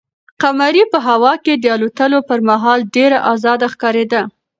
قمرۍ په هوا کې د الوتلو پر مهال ډېره ازاده ښکارېده.